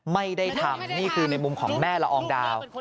ไม่ได้ทำนี่คือในมุมของแม่ละอองดาว